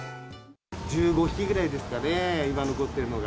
１５匹ぐらいですかね、今残ってるのが。